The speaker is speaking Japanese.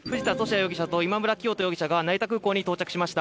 容疑者と今村磨人容疑者が成田空港に到着しました。